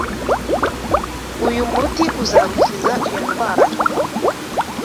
Uyu muti uzagukiza iyo ndwara.